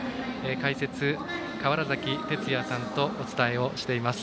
解説、川原崎哲也さんとお伝えしています。